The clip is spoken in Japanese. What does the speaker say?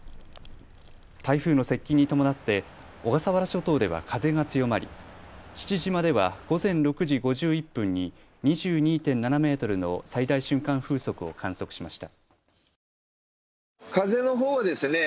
台風の接近に伴って小笠原諸島では風が強まり父島では午前６時５１分に２２．７メートルの最大瞬間風速を観測しました。